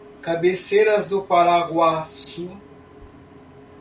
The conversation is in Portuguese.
Cabaceiras do Paraguaçu